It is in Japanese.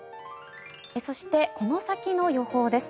そして、この先の予報です。